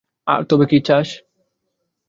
তবে কী চাস?